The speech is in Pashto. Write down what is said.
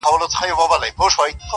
له تودې سینې را وځي نور ساړه وي,